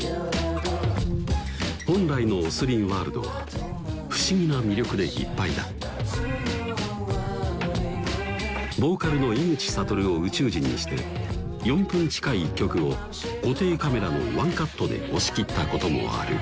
本来のＯＳＲＩＮワールドは不思議な魅力でいっぱいだボーカルの井口理を宇宙人にして４分近い一曲を固定カメラのワンカットで押し切ったこともある